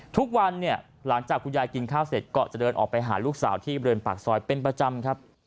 ทุกวันเนี่ยหลังจากคุณยายกินข้าวเสร็จก็จะเดินออกไปหาลูกสาวที่บริเวณปากซอยเป็นประจำครับ